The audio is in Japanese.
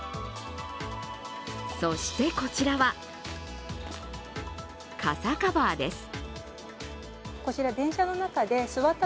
そして、こちらは傘カバーです。